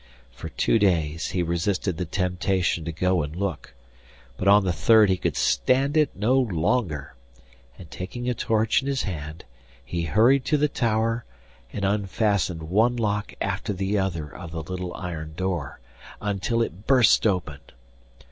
For two days he resisted the temptation to go and look, but on the third he could stand it no longer, and taking a torch in his hand he hurried to the tower, and unfastened one lock after the other of the little iron door until it burst open.